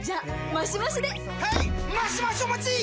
マシマシお待ちっ！！